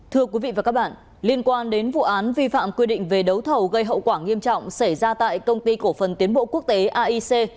thưa quý vị và các bạn liên quan đến vụ án vi phạm quy định về đấu thầu gây hậu quả nghiêm trọng xảy ra tại công ty cổ phần tiến bộ quốc tế aic